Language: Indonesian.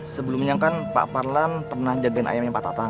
sebelumnya kan pak parlan pernah jagain ayamnya pak tatang